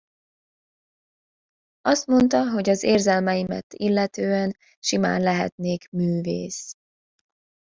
Azt mondta, hogy az érzelmeimet illetően simán lehetnék művész.